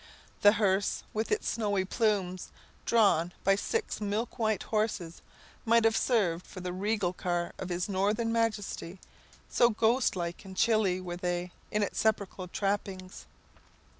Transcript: The hearse, with its snowy plumes, drawn by six milk white horses, might have served for the regal car of his northern majesty, so ghost like and chilly were its sepulchral trappings.